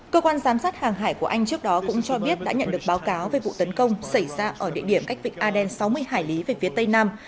cơ quan giám sát hàng hải của anh trước đó cũng cho biết đã nhận được báo cáo về vụ tấn công xảy ra ở địa điểm cách vịnh aden sáu mươi hải lý về phía tây nam